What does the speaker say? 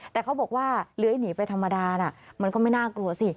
แต่เขาบอกว่าเลื้อยหนีไปธรรมดาน่ะมันก็ไม่น่ากลัวสิ